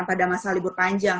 pada masa libur panjang